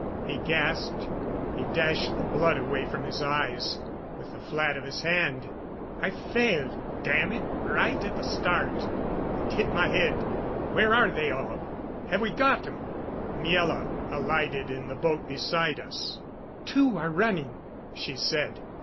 he gasped. He dashed the blood away from his eyes with the flat of his hand. "I fell damn it right at the start, and hit my head. Where are they all? Have we got 'em?" Miela alighted in the boat beside us. "Two are running," she said.